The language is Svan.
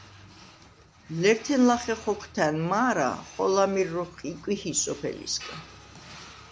ლერთენ ლახე ხოქვთა̈ნ მა̄რა, ხოლა მირ როქვ იკვიჰი სოფელისგა.